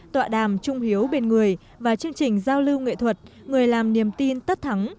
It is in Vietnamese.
tọa đàm trung hiếu bên người và chương trình giao lưu nghệ thuật người làm niềm tin tất thắng